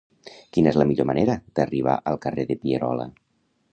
Quina és la millor manera d'arribar al carrer de Pierola?